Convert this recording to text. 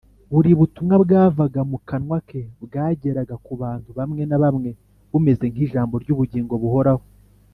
buri butumwa bwavaga mu kanwa ke bwageraga ku bantu bamwe na bamwe bumeze nk’ijambo ry’ubugingo buhoraho